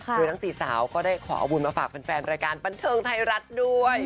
โดยทั้ง๔สาวก็ได้ขอเอาบุญมาฝากแฟนรายการบันเทิงไทยรัฐด้วย